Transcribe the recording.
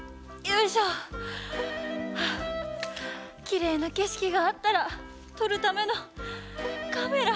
きれいなけしきがあったらとるためのカメラ。